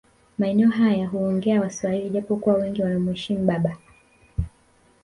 Maneno haya huongea waswahili japo kuwa wengi wanamheshimu baba